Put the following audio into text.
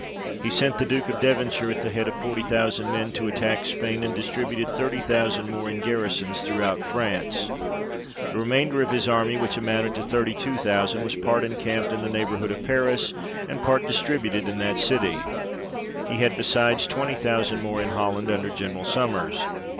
He sent the Duke of Devonshire at the head of forty thousand men to attack Spain, and distributed thirty thousand more in garrisons throughout France ; the remainder of his army, which amounted to thirty two thousand, was part encamped in the neighbourhood of Paris, and part distributed in that city ; he had besides, twenty thousand more in Holland, under General Sommers.